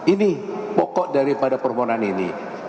ini pokok daripada permohonan ini